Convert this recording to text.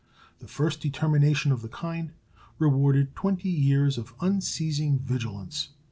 The first determination of the kind rewarded twenty years of unceasing vigilance.